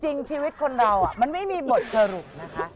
จริงชีวิตคนเรามันไม่มีบทสรุปนะคะ